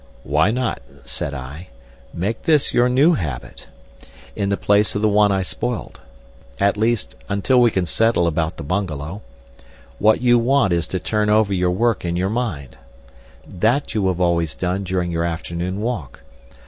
"Why not," said I, "make this your new habit? In the place of the one I spoilt? At least, until we can settle about the bungalow. What you want is to turn over your work in your mind. That you have always done during your afternoon walk.